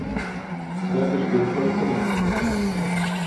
Er besteht heute nicht mehr.